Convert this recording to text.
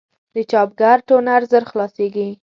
د چاپګر ټونر ژر خلاصېږي.